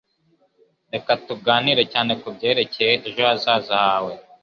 Reka tuganire cyane kubyerekeye ejo hazaza hawe.